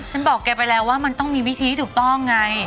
ฉันบอกแกไปแล้วว่ามันต้องมีวิธีที่ถูกต้องไง